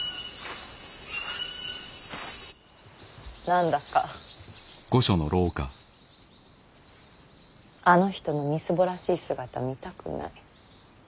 何だかあの人のみすぼらしい姿見たくない。